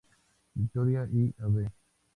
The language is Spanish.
Victoria y Av.